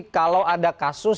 kalau ada kasus